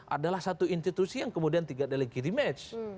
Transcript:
adalah satu institusi yang kemudian tidak delegitimates